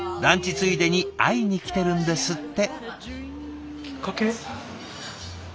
ついでに会いに来てるんですって。